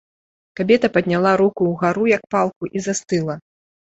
Кабета падняла руку ўгару, як палку, і застыла.